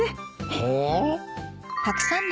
はあ？